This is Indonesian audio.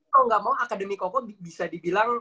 kalo enggak mau akademi koko bisa dibilang